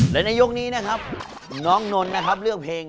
และในยกนี้นะครับน้องนนท์นะครับเลือกเพลง